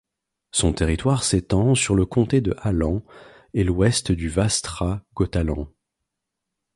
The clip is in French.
Son territoire s'étend sur le Comté de Halland et l'ouest du Västra Götaland.